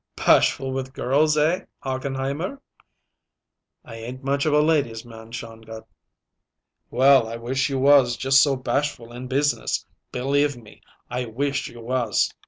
"Bashful with the girls eh, Hochenheimer?" "I ain't much of a lady's man, Shongut." "Well, I wish you was just so bashful in business believe me! I wish you was."